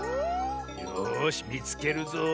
よしみつけるぞ。